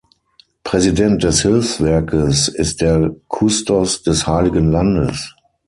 Präsident des Hilfswerkes ist der Kustos des Heiligen Landes.